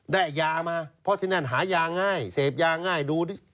ได้ยามาเพราะที่นั่นหายาง่ายเสพยาง่ายดู